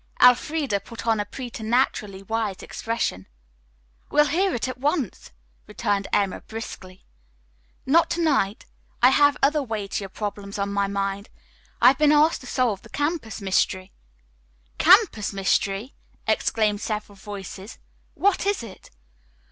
Elfreda put on a preternaturally wise expression. "We'll hear it at once," returned Emma briskly. "Not to night. I have other weightier problems on my mind. I have been asked to solve the campus mystery." "Campus mystery!" exclaimed several voices. "What is it?"